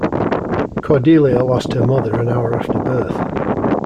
Cordelia lost her mother an hour after birth.